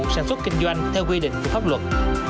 sản xuất kinh doanh theo quy định của pháp luật